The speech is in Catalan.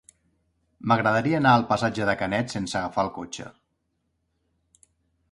M'agradaria anar al passatge de Canet sense agafar el cotxe.